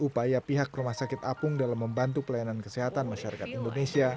upaya pihak rumah sakit apung dalam membantu pelayanan kesehatan masyarakat indonesia